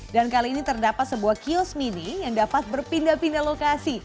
dan kali ini terdapat sebuah kios mini yang dapat berpindah pindah lokasi